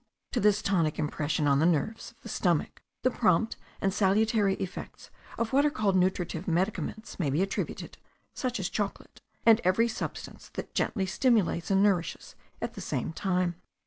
To this tonic impression on the nerves of the stomach the prompt and salutary effects of what are called nutritive medicaments may be attributed, such as chocolate, and every substance that gently stimulates and nourishes at the same time.